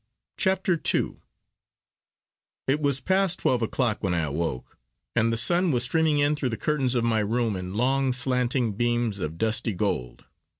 CHAPTER II IT was past twelve o'clock when I awoke, and the sun was streaming in through the curtains of my room in long slanting beams of dusty gold.